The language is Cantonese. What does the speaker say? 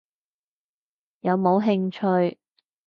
有冇興趣？